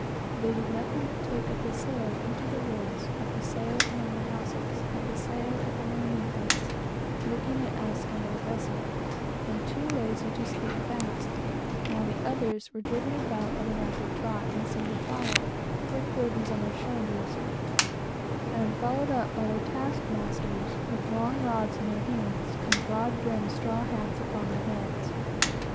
They did nothing but take a paseo into the woods, a paseo among the houses, a paseo at the landing place, looking at us and our vessel, and too lazy to speak fast; while the others were driving or rather, driven about, at a rapid trot, in single file, with burdens on their shoulders, and followed up by their task masters, with long rods in their hands, and broadbrimmed straw hats upon their heads.